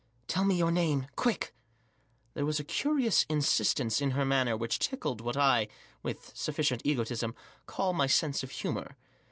" Tell me your name, quick !" There was a curious insistence in her manner which tickled what I, with sufficient egotism, call my sense of humour.